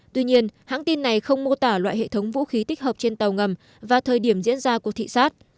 tuy nhiên hãng tin này không mô tả loại hệ thống vũ khí tích hợp trên tàu ngầm và thời điểm diễn ra cuộc thị sát